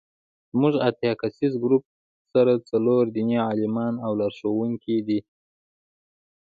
زموږ اتیا کسیز ګروپ سره څلور دیني عالمان او لارښوونکي دي.